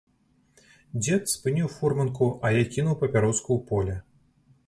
Дзед спыніў фурманку, а я кінуў папяроску ў поле.